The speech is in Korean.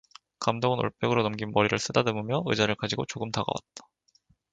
감독은 올백으로 넘긴 머리를 쓰다듬으며 의자를 가지고 조금 다가왔다.